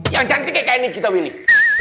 yang cantik kayak kayak ini kita pilih